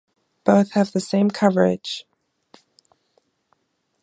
Both have the same coverage.